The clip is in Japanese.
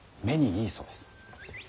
目にいいそうです。